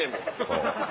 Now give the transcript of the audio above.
そう。